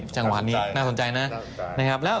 จังหวานนี้น่าสนใจนะ